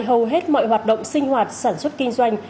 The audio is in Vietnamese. hầu hết mọi hoạt động sinh hoạt sản xuất kinh doanh